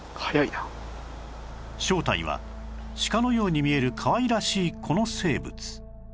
正体はシカのように見えるかわいらしいこの生物